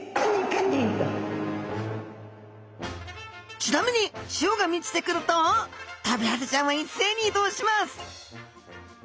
ちなみに潮が満ちてくるとトビハゼちゃんは一斉に移動します